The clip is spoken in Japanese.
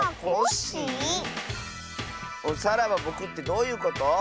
さらばぼくってどういうこと？